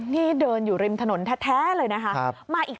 นี่เดินอยู่ริมถนนแท้เลยนะคะ